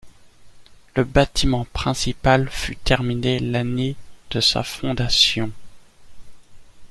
Le bâtiment principal fut terminé l’année de sa fondation.